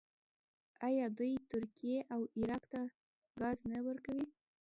آیا دوی ترکیې او عراق ته ګاز نه ورکوي؟